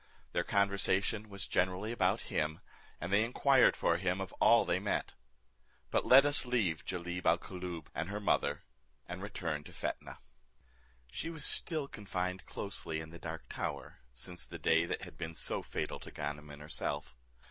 Their conversation was generally about him, and they inquired for him of all they met. But let us leave Jalib al Koolloob and her mother, and return to Fetnah. She was still confined closely in the dark tower, since the day that had been so fatal to Ganem and herself.